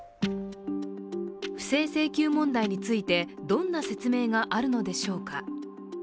不正請求問題についてどんな説明があるのでしょうか。